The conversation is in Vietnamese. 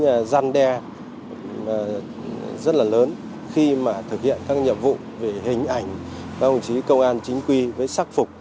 thế và đặc biệt là những cái tính răn đe rất là lớn khi mà thực hiện các nhiệm vụ về hình ảnh và hồng chí công an chính quy với sắc phục